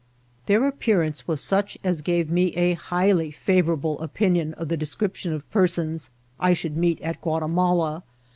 Their appearance was such as gave me a highly favourable opinion of the description of persons I should meet at Ouatimala.